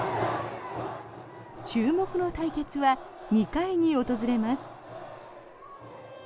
注目の対決は２回に訪れます。